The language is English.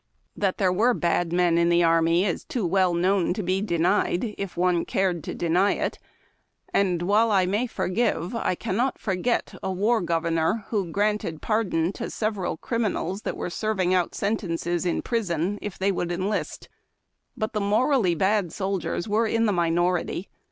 That there were bad men in tlie army is too well known to be denied if one cared to deny it ; and, while I may forgive, I cannot forget a war governor who granted pardon to several criminals that were serving out sentences in prison, if they would enlist. But the morally bad soldiers were in the minority.